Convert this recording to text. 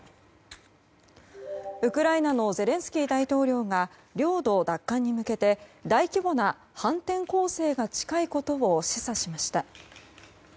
ウクライナのゼレンスキー大統領が領土奪還に向けて大規模な反転攻勢が近いことを示唆しました。